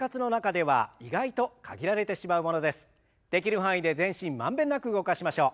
できる範囲で全身満遍なく動かしましょう。